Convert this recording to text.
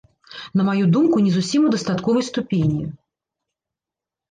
На маю думку, не зусім у дастатковай ступені.